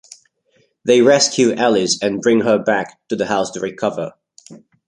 They rescue Alice and bring her back to the house to recover.